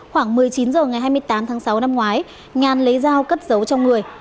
khoảng một mươi chín h ngày hai mươi tám tháng sáu năm ngoái nhàn lấy dao cất dấu cho người